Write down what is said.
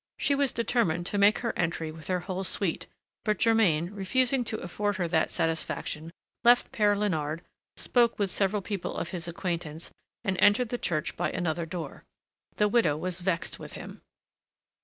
She was determined to make her entry with her whole suite; but Germain, refusing to afford her that satisfaction, left Père Léonard, spoke with several people of his acquaintance, and entered the church by another door. The widow was vexed with him.